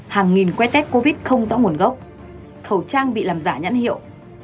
hàng nghìn que tét covid không rõ nguồn gốc khẩu trang bị làm giả nhãn hiệu